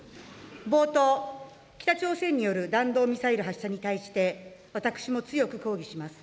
冒頭、北朝鮮による弾道ミサイル発射に対して私も強く抗議します。